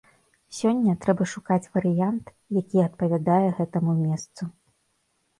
Сёння трэба шукаць варыянт, які адпавядае гэтаму месцу.